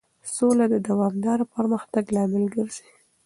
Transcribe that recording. سوله د دوامدار پرمختګ لامل ګرځي.